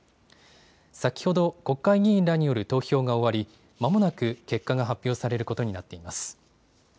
先ほど、国会議員らによる投票が終わり、まもなく結果が発表されることになっています。